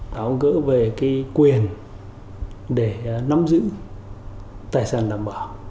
đó gỡ về quyền để nắm giữ tài sản đảm bảo